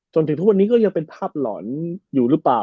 จนถึงทุกวันนี้ก็ยังเป็นภาพหลอนอยู่หรือเปล่า